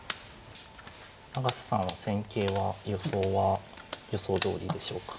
永瀬さんは戦型は予想は予想どおりでしょうか。